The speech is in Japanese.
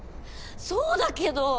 そうだけど。